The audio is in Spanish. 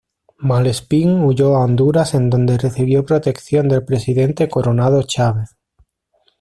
Malespín huyó a Honduras en donde recibió protección del Presidente Coronado Chávez.